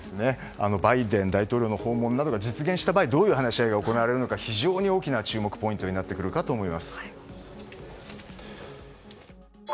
バイデン大統領の訪問などが実現した場合どういう話し合いが行われるか非常に大きな注目ポイントだと思います。